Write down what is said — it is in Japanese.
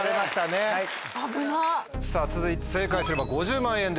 さぁ続いて正解すれば５０万円です。